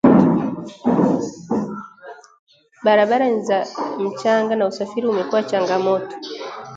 Barabara ni za mchanga na usafiri umekuwa changamoto